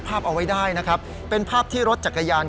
ภาพเอาไว้ได้นะครับเป็นภาพที่รถจักรยาน